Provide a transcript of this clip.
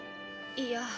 いや。